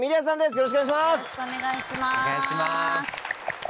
よろしくお願いします。